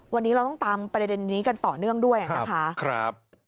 วันนี้เราต้องตามประเด็นนี้กันต่อเนื่องด้วยนะคะ